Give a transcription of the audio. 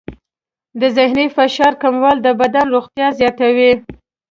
د ذهني فشار کمول د بدن روغتیا زیاتوي.